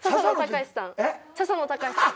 笹野高史さん。